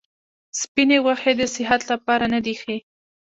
سپیني غوښي د صحت لپاره نه دي ښه.